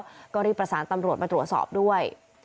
แล้วก็รีบประสานตำรวจมาตรวจสอบด้วย